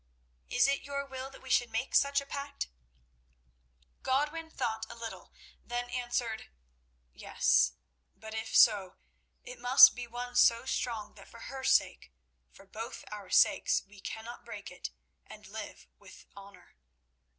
Is it your will that we should make such a pact?" Godwin thought a little, then answered: "Yes; but if so, it must be one so strong that for her sake and for both our sakes we cannot break it and live with honour."